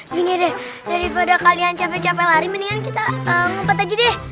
gini deh daripada kalian capek capek lari mendingan kita ngumpet aja deh